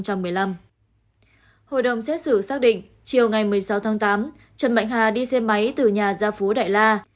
hội đồng xét xử xác định chiều ngày một mươi sáu tháng tám trần mạnh hà đi xe máy từ nhà ra phú đại la